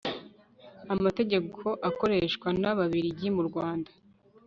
amategeko akoreshwa n'ababiligi mu rwanda